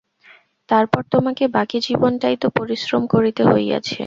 তারপর তোমাকে বাকী জীবনটাই তো পরিশ্রম করিতে হইয়াছে।